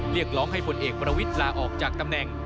เรียกร้องให้ผลเอกประวิทย์ลาออกจากตำแหน่ง